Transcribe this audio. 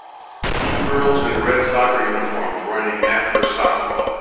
Two girls in red soccer uniforms running after a soccer ball.